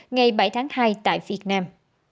ngày bảy tháng hai tại việt nam